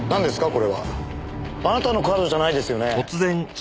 これは。あなたのカードじゃないですよね？